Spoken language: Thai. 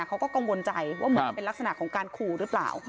เขาก็กังวลใจว่าเหมือนเป็นลักษณะของการขู่หรือเปล่า